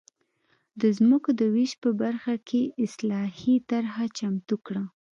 د ځمکو د وېش په برخه کې اصلاحي طرحه چمتو کړه.